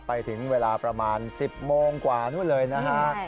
ไปถึงเวลาประมาณ๑๐โมงกว่านู่นเลยนะฮะ